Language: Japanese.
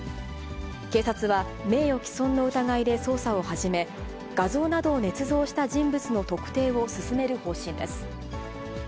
警察は、名誉毀損の疑いで捜査を始め、画像などをねつ造した人物の特定を進める方針です。